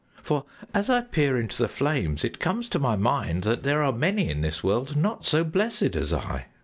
"For as I peer into the flames, it comes to my mind that there are many in this world not so blessed as I.